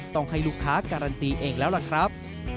ต้องให้ลูกค้าการันตีเองแล้วล่ะครับ